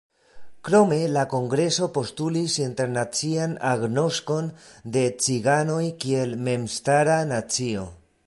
Krome la kongreso postulis internacian agnoskon de ciganoj kiel memstara nacio.